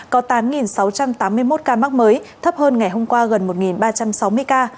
có tám sáu trăm tám mươi một ca mắc mới thấp hơn ngày hôm qua gần một ba trăm sáu mươi ca